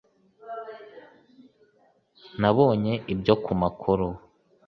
nabonye ibyo kumakuru